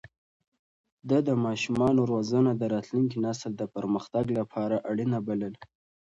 ده د ماشومانو روزنه د راتلونکي نسل د پرمختګ لپاره اړينه بلله.